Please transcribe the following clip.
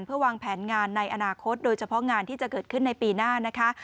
เพื่อวางแผนงานในอนาคตโดยเฉพาะงานที่จะเกิดขึ้นในปีหน้านะคะ